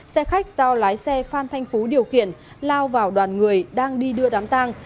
xe khách do lái xe phan thanh phú điều khiển lao vào đoàn người đang đi đưa đám tang